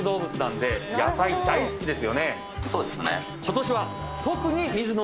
そうですね。